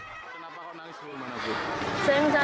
kenapa kau nangis dulu